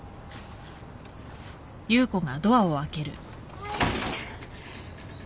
はい。